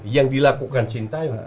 yang dilakukan sintayung